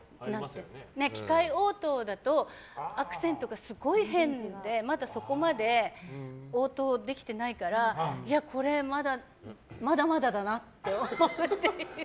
機械応答だとアクセントがすごい変でまだそこまで応答できてないからこれ、まだまだだなって思うっていう。